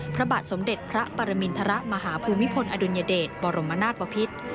พระบาทสมเด็จพระปรมินทรมาฮภูมิพลอดุลยเดชบรมนาศปภิษ